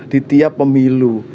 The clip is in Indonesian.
di tiap pemilu